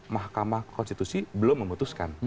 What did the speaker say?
mahkamah konstitusi belum memutuskan